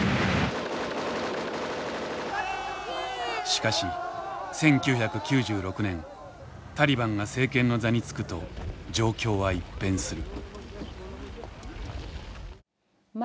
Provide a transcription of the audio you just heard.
しかし１９９６年タリバンが政権の座につくと状況は一変する。